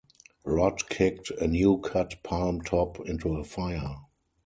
Rod kicked a new-cut palm-top into a fire.